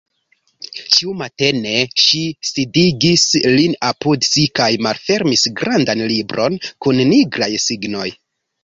Ĉiumatene ŝi sidigis lin apud si kaj malfermis grandan libron kun nigraj signoj.